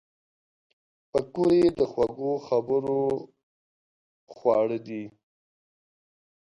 پکورې د خوږو خبرو خواړه دي